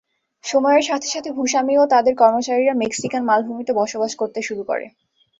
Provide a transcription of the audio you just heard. সময়ের সাথে সাথে ভূস্বামী ও তাদের কর্মচারীরা মেক্সিকান মালভূমিতে বসবাস করতে শুরু করে।